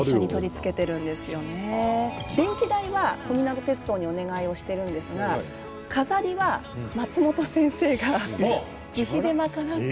電気代は小湊鉄道にお願いをしてるんですが飾りは松本先生が自費で賄って。